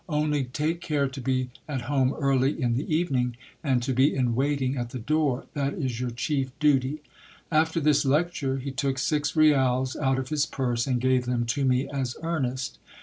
Only take care to be at home early in the evening, and to be in waiting at the door, that is your chief duty. After this lecture, he took six rials out of his purse, and gave them to me as earnest.